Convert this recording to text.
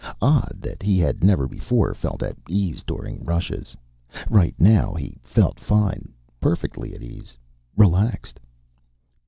Odd that he had never before felt at ease during rushes. Right now he felt fine. Perfectly at ease. Relaxed.